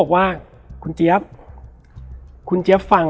แล้วสักครั้งหนึ่งเขารู้สึกอึดอัดที่หน้าอก